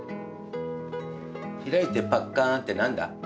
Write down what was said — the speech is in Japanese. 「開いてパッカン」って何だ？